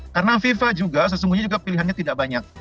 karena fifa juga sesungguhnya juga pilihannya tidak banyak